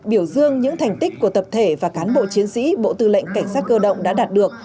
biểu dương những thành tích của tập thể và cán bộ chiến sĩ bộ tư lệnh cảnh sát cơ động đã đạt được